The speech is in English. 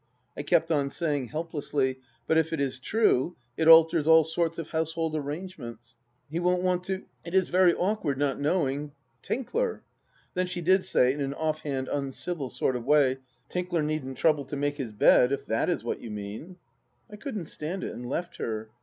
I kept on saying helplessly :" But if it is true, it alters all sorts of household arrange ments. He won't want to ... It is very awkward, not knowing — ^Tinkler. '' Then she did say, in an off hand uncivil sort of way :" Tinkler needn't trouble to make his bed, if that is what you mean." I couldn't stand it, and left her.